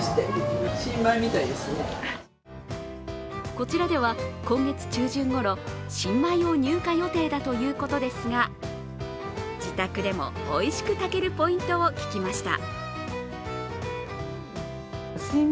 こちらでは今月中旬ごろ新米を入荷予定だということですが自宅でもおいしく炊けるポイントを聞きました